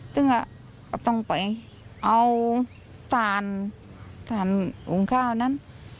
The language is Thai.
ต้องไปเอาทานทานหุงข้าวนั้น